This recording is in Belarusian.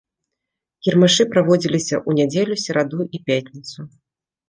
Кірмашы праводзіліся ў нядзелю, сераду і пятніцу.